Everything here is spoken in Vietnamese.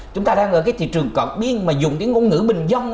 chúng ta đang ở cái thị trường cận biên mà dùng cái ngôn ngữ bình dân